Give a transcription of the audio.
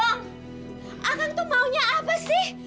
emang tuh maunya apa sih